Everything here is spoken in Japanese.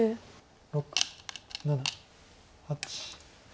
６７８。